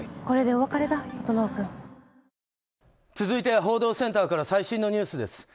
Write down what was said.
続いては報道センターから最新のニュースです。